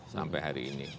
sampai hari ini